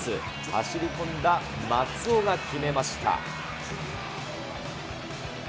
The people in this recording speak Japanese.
走り込んだ松尾が決めました。